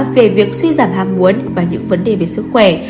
về việc suy giảm ham muốn và những vấn đề về sức khỏe